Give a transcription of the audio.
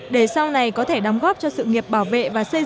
để sau này có thể đóng góp cho sự nghiệp bảo vệ